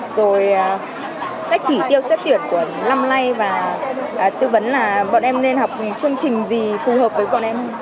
rồi các chỉ tiêu xét tuyển của năm nay và tư vấn là bọn em nên học chương trình gì phù hợp với bọn em